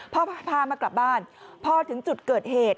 พอพามากลับบ้านพอถึงจุดเกิดเหตุ